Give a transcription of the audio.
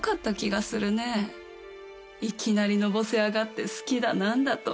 いきなりのぼせ上がって好きだなんだと。